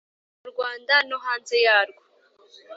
mu Rwanda no hanze yarwo